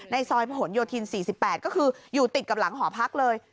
ในซอยโผนโยทินสี่สิบแปดก็คืออยู่ติดกับหลังหอพักเลย